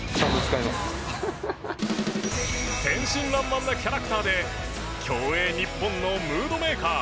天真爛漫なキャラクターで競泳日本のムードメーカー。